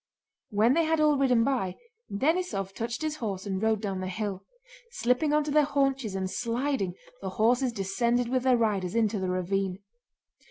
When they had all ridden by, Denísov touched his horse and rode down the hill. Slipping onto their haunches and sliding, the horses descended with their riders into the ravine.